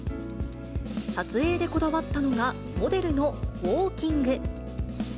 撮影でこだわったのがモデルのウォーキング。